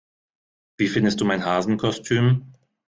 Wie findest du mein Hasenkostüm?